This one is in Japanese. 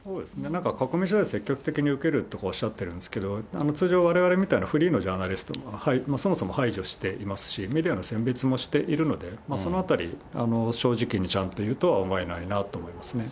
なんか囲み取材、積極的に受けるとかおっしゃってますけど、通常、われわれみたいなフリーなジャーナリストは、そもそも排除していますし、メディアの選別もしているのでね、そのあたり、正直にちゃんと言うとは思えないなとは思いますね。